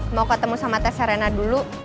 mau ketemu sama tess serena dulu